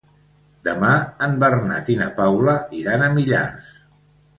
Demà en Bernat i na Paula iran a Millars.